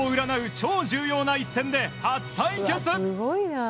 超重要な一戦で初対決。